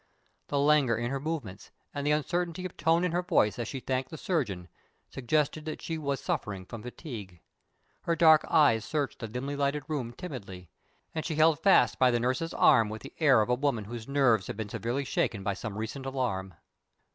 The languor in her movements, and the uncertainty of tone in her voice as she thanked the surgeon suggested that she was suffering from fatigue. Her dark eyes searched the dimly lighted room timidly, and she held fast by the nurse's arm with the air of a woman whose nerves had been severely shaken by some recent alarm.